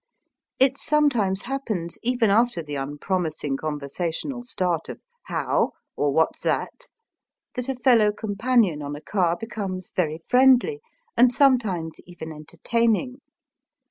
It sometimes happens even after the un promising conversational start of " How ?" or "What's that?" that a fellow companion on a car becomes very friendly and sometimes even entertaining.